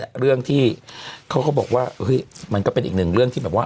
หลวงที่เค้าเขาบอกว่ามันก็เป็นอีก๑เรื่องที่แบบว่า